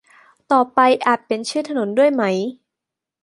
ต่อไปอาจเปลี่ยนชื่อถนนด้วยไหม